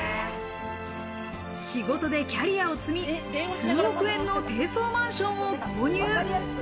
仕事でキャリアを積み、数億円の低層マンションを購入。